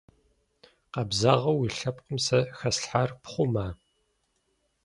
Къэбзагъэу уи лъэпкъым сэ хэслъхьар пхъума?